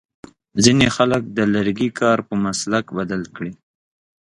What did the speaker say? ځینې خلک د لرګي کار په مسلک بدل کړی.